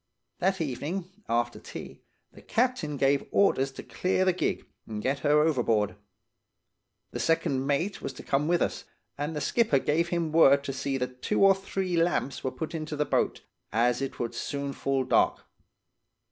"That evening, after tea, the captain gave orders to clear the gig and get her overboard. The second mate was to come with us, and the skipper gave him word to see that two or three lamps were put into the boat, as it would soon fall dark.